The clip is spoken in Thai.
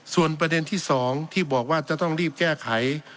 ส่วนประเด็นที่๒ที่บอกว่าจะต้องรีบแก้ไข